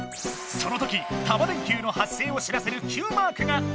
そのときタマ電Ｑのはっ生を知らせるＱマークが！